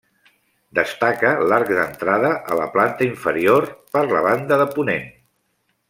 Destaca l'arc d'entrada a la planta inferior per la banda de ponent.